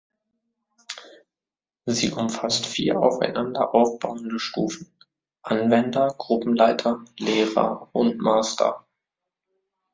Sie umfasst vier aufeinander aufbauende Stufen: Anwender, Gruppenleiter, Lehrer und Master.